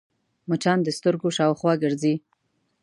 مچان د سترګو شاوخوا ګرځي